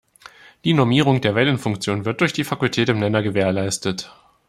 Die Normierung der Wellenfunktion wird durch die Fakultät im Nenner gewährleistet.